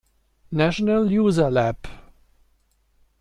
National User Lab.